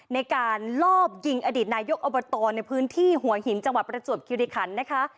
ในการลอบยิงอดีตนายกอบตในพื้นที่หัวหินจังหวัดประจวบคิริคันนะคะ